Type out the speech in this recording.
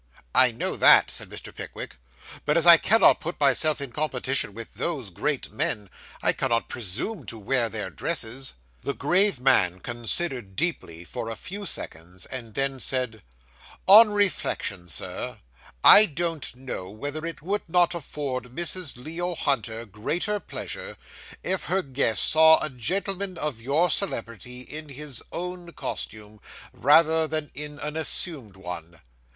'I know that,' said Mr. Pickwick; 'but as I cannot put myself in competition with those great men, I cannot presume to wear their dresses.' The grave man considered deeply, for a few seconds, and then said 'On reflection, Sir, I don't know whether it would not afford Mrs. Leo Hunter greater pleasure, if her guests saw a gentleman of your celebrity in his own costume, rather than in an assumed one.